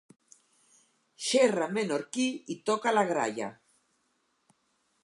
Xerra menorquí i toca la gralla.